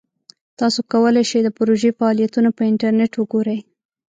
تاسو کولی شئ د پروژې فعالیتونه په انټرنیټ وګورئ.